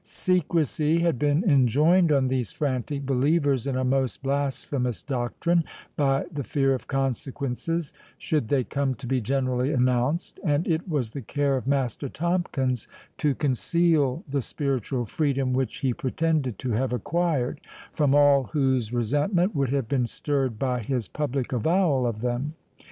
Secrecy had been enjoined on these frantic believers in a most blasphemous doctrine, by the fear of consequences, should they come to be generally announced; and it was the care of Master Tomkins to conceal the spiritual freedom which he pretended to have acquired, from all whose resentment would have been stirred by his public avowal of them.